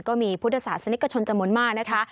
ก็มีพุทธศาสตร์สนิกชนจมนต์มากนะคะ